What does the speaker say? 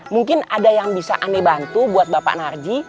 mungkin ada yang bisa anda bantu buat bapak narji